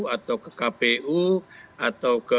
atau ke kpu atau ke kpu ya itu bisa dilaporkan